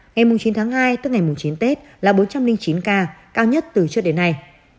ngày chín tháng hai tức ngày chín tết là bốn trăm linh chín ca cao nhất từ trước đến nay